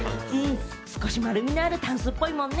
少し丸みのあるタンスっぽいもんね。